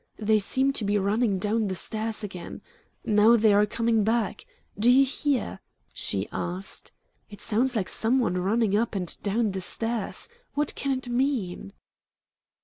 "They seem to be running down the stairs again. Now they are coming back. Do you hear?" she asked. "It sounds like some one running up and down the stairs. What can it mean?"